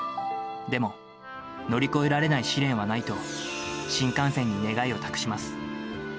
でも乗り越えられない試練はないと、新幹線に願いを託します。